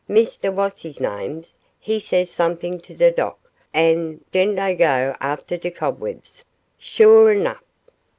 Misteh what's his names he says something to de docteh, an' den dey goes afteh de cobwebs, suah 'nough.